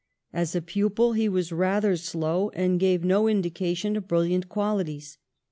As a pu pil, he was rather slow, and gave no indication 6 PASTEUR of brilliant qualities.